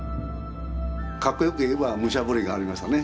かっこよく言えば武者震いがありましたね。